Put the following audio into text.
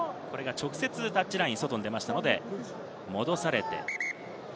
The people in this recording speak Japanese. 直接、タッチラインの外に出ましたので戻されて。